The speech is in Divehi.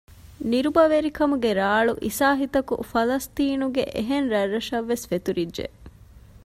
ނިރުބަވެރިކަމުގެ ރާޅު އިސާހިތަކު ފަލަސްޠީނުގެ އެހެން ރަށްރަށަށް ވެސް ފެތުރިއްޖެ